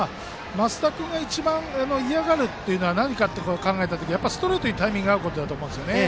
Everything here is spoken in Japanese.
升田君が一番嫌がることは何かって考えた時にストレートにタイミングが合うことだと思います。